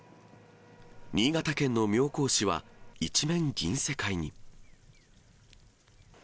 新潟県の妙高市は、一面銀世界に。